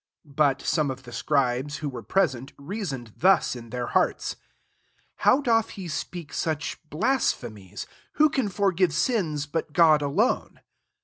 6 But dome of the scribes. who were present, reasoned thus in their hearts, 7 " How doth he speak such blasphe mies ? who can forgive sins, but God alone